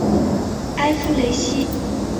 埃夫雷西。